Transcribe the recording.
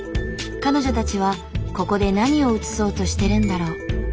彼女たちはここで何を写そうとしてるんだろう。